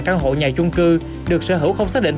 căn hộ nhà chung cư được sở hữu không xác định